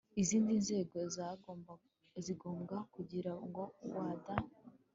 izindi nzego za ngombwa kugira ngo wda